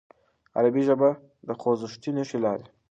عربي ژبه خوځښتي نښې لري.